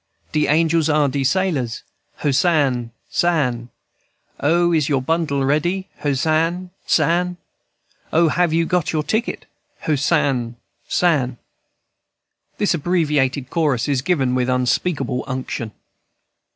De angels are de sailors, Hosann sann. O, is your bundle ready? Hosann sann. O, have you got your ticket? Hosann sann." This abbreviated chorus is given with unspeakable unction.